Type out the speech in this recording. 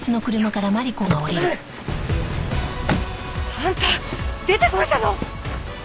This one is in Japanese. あんた出てこれたの！？